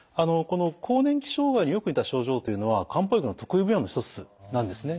この更年期障害によく似た症状というのは漢方薬の得意分野の一つなんですね。